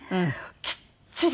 きっちり。